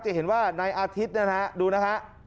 จะเห็นว่าในอาทิตย์นะครับดูนะครับ